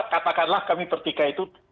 katakanlah kami bertiga itu